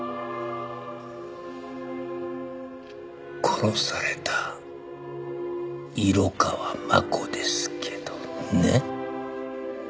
殺された色川真子ですけどね。